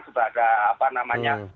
sudah ada apa namanya